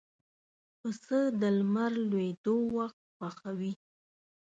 پسه د لمر لوېدو وخت خوښوي.